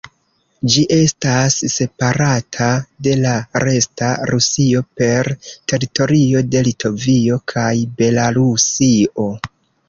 Ĝi estas separata de la "resta" Rusio per teritorio de Litovio kaj Belarusio.